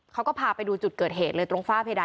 เขาก็พาไปดูจุดเกิดเหตุเลยตรงฝ้าเพดาน